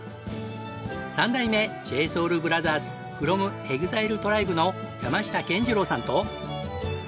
三代目ＪＳＯＵＬＢＲＯＴＨＥＲＳｆｒｏｍＥＸＩＬＥＴＲＩＢＥの山下健二郎さんと。